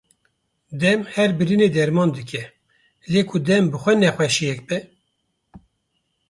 Dem her birînê derman dike lê ku dem bi xwe nexweşiyek be?